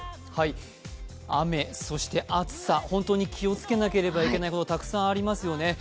雨、そして暑さ、本当に気をつけなくてはいけないことたくさんありますよね。